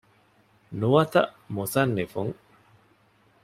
ނުވަތަ މުޞައްނިފުން